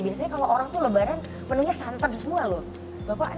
biasanya kalau orang itu lembaran